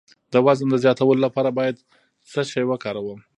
د وزن د زیاتولو لپاره باید څه شی وکاروم؟